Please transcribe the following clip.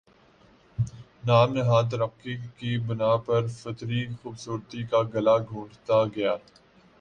نام نہاد ترقی کی بنا پر فطری خوبصورتی کا گلا گھونٹتا گیا